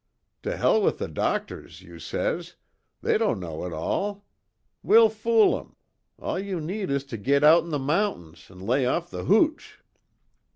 "'To hell with the doctors,' you says, 'They don't know it all. We'll fool 'em. All you need is to git out in the mountains an' lay off the hooch.'